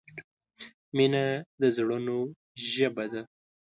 مینه د زړونو ژبه ده.